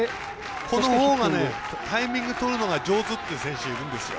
このほうがタイミングとるのが上手っていう選手がいるんですよ。